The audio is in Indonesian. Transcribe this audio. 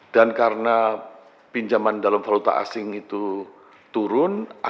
dan karena pinjaman dalam valuta asing menurun tajam